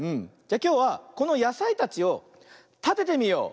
じゃきょうはこのやさいたちをたててみよう。